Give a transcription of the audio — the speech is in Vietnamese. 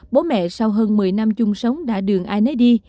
bố mẹ sau hơn một mươi năm chung sống đã đường ai nấy đi